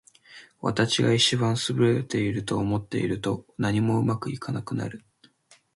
私が一番優れていると思っていると、何もうまくいかなくなる。